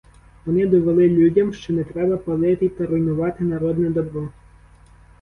Вони довели людям, що не треба палити та руйнувати народне добро.